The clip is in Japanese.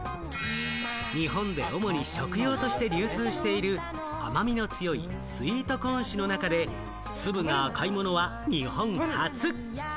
日本で主に食用として流通している甘みの強いスイートコーン種の中で粒が赤いものは日本初。